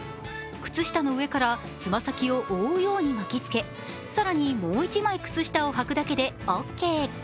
靴下の上からつま先を覆うようにまき付け更にもう一枚靴下を履くだけでオッケー。